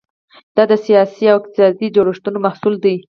دا د سیاسي او اقتصادي جوړښتونو محصول دی.